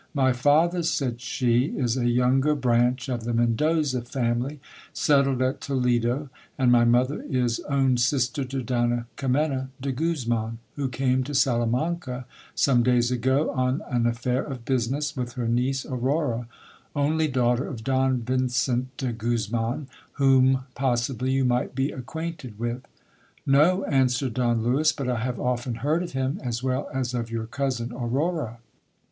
My father, said she, is a younger branch of the Mendoza family, settled at Toledo, and my mother is own sister to Donna Kimena de Guzman, who came to Sala nanca some days ago on an affair of business, with her niece Aurora, only daughter of Don Vincent de Guzman, whom possibly you might be acquainted v.ith. Xo, answered Don Lewis, but I have often heard of him, as well as of your cousin Aurora.